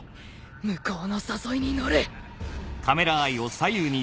向こうの誘いに乗る。